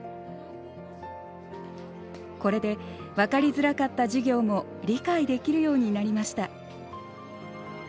これで分かりづらかった授業も理解できるようになりました。